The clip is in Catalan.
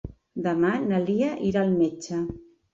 Demà na Lia irà al metge.